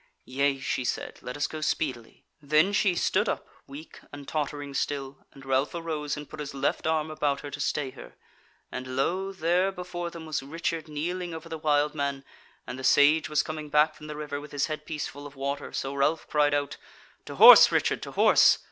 "Yea," she said, "let us go speedily!" Then she stood up, weak and tottering still, and Ralph arose and put his left arm about her to stay her; and lo, there before them was Richard kneeling over the wild man, and the Sage was coming back from the river with his headpiece full of water; so Ralph cried out: "To horse, Richard, to horse!